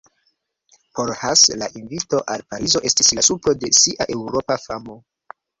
Por Hasse la invito al Parizo estis la supro de sia Eŭropa famo.